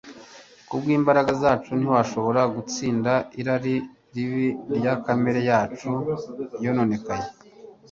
Kubw'imbaraga zacu ntitwashobora gutsinda irari ribi rya kamere yacu yononekaye.